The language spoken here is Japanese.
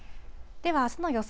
では、あすの予想